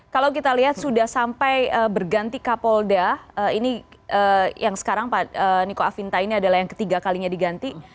kalau kita lihat sudah sampai berganti kapolda ini yang sekarang pak niko afinta ini adalah yang ketiga kalinya diganti